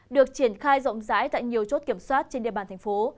được triển khai rộng rãi tại nhiều chốt kiểm soát trên địa bàn thành phố